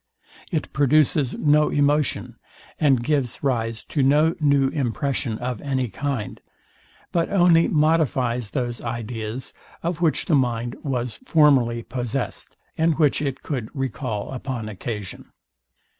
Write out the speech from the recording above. It produces no emotion, and gives rise to no new impression of any kind, but only modifies those ideas, of which the mind was formerly possessed, and which it could recal upon occasion.